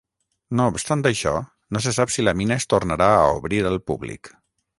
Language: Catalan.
No obstant això, no se sap si la mina es tornarà a obrir al públic.